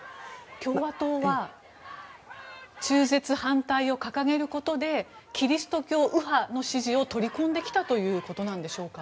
共和党は中絶反対を掲げることでキリスト教右派の支持を取り込んできたということなんでしょうか。